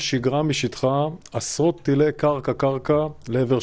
kebanyakan pesawat di luar kota israel dianggap